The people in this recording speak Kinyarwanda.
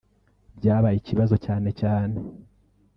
Byabaye ikibazo cyane cyane